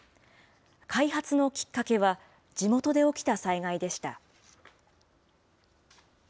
開発のきっかけは、地元で起きた災害でした。